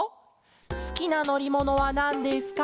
「すきなのりものはなんですか？